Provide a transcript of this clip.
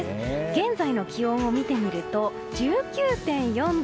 現在の気温を見てみると１９．４度。